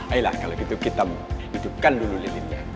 ayolah kalau gitu kita hidupkan dulu lilitnya